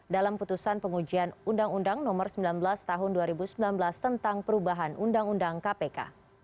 dalam putusan pengujian undang undang nomor sembilan belas tahun dua ribu sembilan belas tentang perubahan undang undang kpk